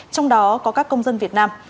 trong đó có các công dân việt nam